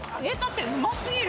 うますぎる。